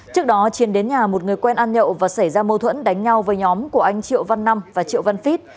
trước đó chiến đến nhà một người quen ăn nhậu và xảy ra mâu thuẫn đánh nhau với nhóm của anh triệu văn năm và triệu văn phít